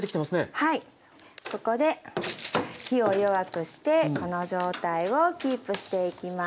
はいここで火を弱くしてこの状態をキープしていきます。